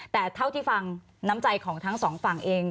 แต่เท่าที่ฟังน้ำใจของทั้งสองฝั่งเอง